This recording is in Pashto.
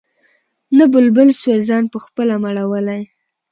نه بلبل سوای ځان پخپله مړولای